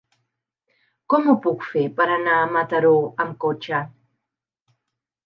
Com ho puc fer per anar a Mataró amb cotxe?